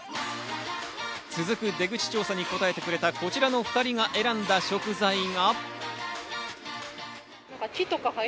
続く出口調査に答えてくれたこちらの２人が選んだ食材が。